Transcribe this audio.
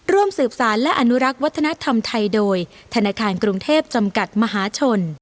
ร่วมสืบสารและอนุรักษ์วัฒนธรรมไทยโดยธนาคารกรุงเทพจำกัดมหาชน